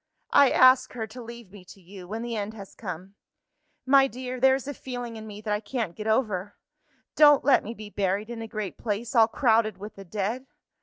I ask her to leave me to you, when the end has come. My dear, there is a feeling in me that I can't get over. Don't let me be buried in a great place all crowded with the dead!